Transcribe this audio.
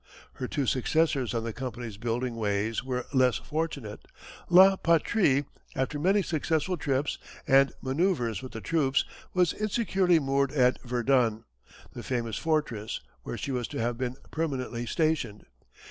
Her two successors on the company's building ways were less fortunate. La Patrie, after many successful trips, and manoeuvres with the troops, was insecurely moored at Verdun, the famous fortress where she was to have been permanently stationed.